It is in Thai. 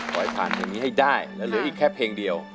ขอให้ผ่านเพลงนี้ให้ได้แล้วเหลืออีกแค่เพลงเดียว